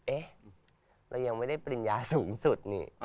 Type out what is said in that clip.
เอ๊ะเรายังไม่ได้ปริญญาสูงสุดนี่